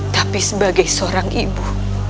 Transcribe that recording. tapi sebagai seorang ibu